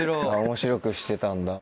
面白くしてたんだ。